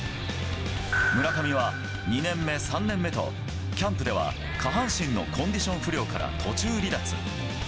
村上は２年目、３年目と、キャンプでは下半身のコンディション不良から途中離脱。